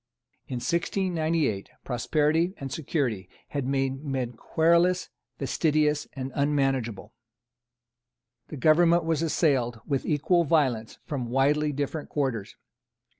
In 1698 prosperity and security had made men querulous, fastidious and unmanageable. The government was assailed with equal violence from widely different quarters.